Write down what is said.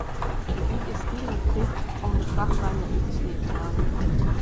De dyk is tydlik ticht om de frachtwein wer út de sleat te heljen.